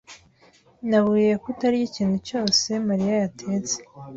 Naburiye kutarya ikintu cyose Mariya yatetse.